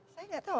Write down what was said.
saya gak tahu